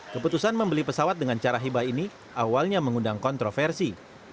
keputusan membeli pesawat dengan cara hibah ini awalnya mengundang kontroversi